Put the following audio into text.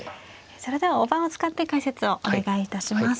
それでは大盤を使って解説をお願いいたします。